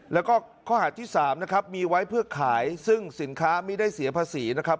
แล้วก็ข้อหาที่๓นะครับมีไว้เพื่อขายซึ่งสินค้าไม่ได้เสียภาษีนะครับ